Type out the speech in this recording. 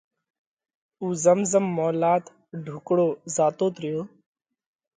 اُو زم زم مولات ڍُوڪڙو زاتوت ريو،